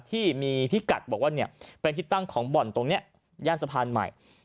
ที่มีพิกัดบอกว่าเนี่ยเป็นที่ตั้งของบ่อนตรงนี้ย่านสะพานใหม่